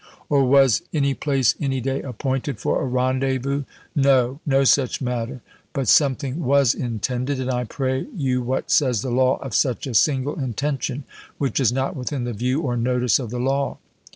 or was any place, any day, appointed for a rendezvous? No, no such matter; but something was intended: and I pray you what says the law of such a single intention, which is not within the view or notice of the law?